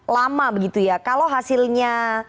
lama begitu ya kalau hasilnya